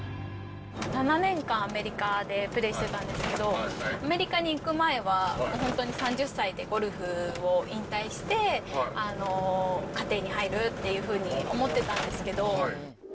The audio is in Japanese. ７年間、アメリカでプレーしてたんですけど、アメリカに行く前は、本当に３０歳でゴルフを引退して、家庭に入るっていうふうに思ってたんですけど。